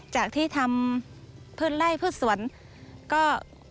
จากที่ทำพืชไล่พืชสวนก็